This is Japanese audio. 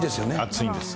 暑いんです。